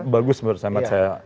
bagus menurut saya